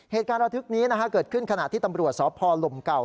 เหตุการณ์ระทึกนี้เกิดขึ้นขณะที่ตำรวจสพลมเก่า